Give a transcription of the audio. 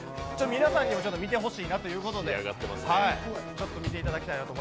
皆さんにも見てほしいなということで、見ていただきたいなと